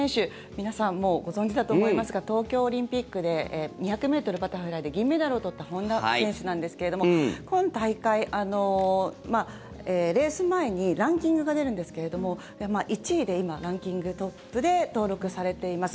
皆さんもうご存知だと思いますが東京オリンピックで２００ｍバタフライで銀メダルを取った本多選手なんですけども今大会、レース前にランキングが出るんですけれども１位で今、ランキングトップで登録されています。